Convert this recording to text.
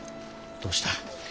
どうした？